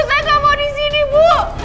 saya gak mau di sini bu